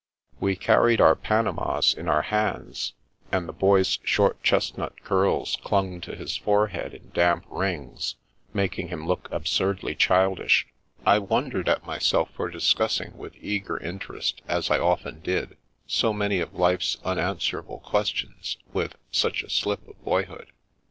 We carried our panamas in our hands, and the Boy's short chestnut curls clung to his forehead in damp rings, making him look absurdly childish. I wondered at myself for discussing with eager inter est, as I often did, so many of life's unanswerable questions with such a slip of boyhood.